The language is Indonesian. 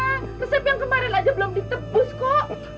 karena resep yang kemarin aja belum ditebus kok